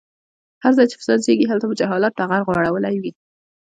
هر ځای چې فساد زيږي هلته به جهالت ټغر غوړولی وي.